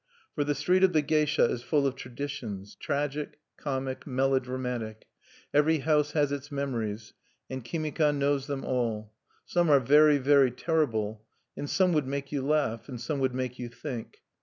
For the Street of the Geisha is full of traditions, tragic, comic, melodramatic; every house has its memories; and Kimika knows them all. Some are very, very terrible; and some would make you laugh; and some would make you think.